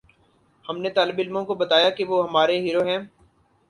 ہم نے طالب علموں کو بتایا کہ وہ ہمارے ہیرو ہیں۔